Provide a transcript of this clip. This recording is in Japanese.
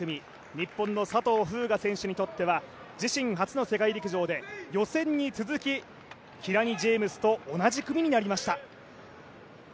日本の佐藤風雅選手にとっては自身初の世界陸上で予選に続きキラニ・ジェームスと同じ組になりました。